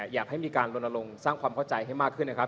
อยากให้มีการลนลงสร้างความเข้าใจให้มากขึ้นนะครับ